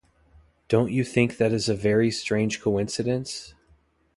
Don’t you think that is a very strange coincidence?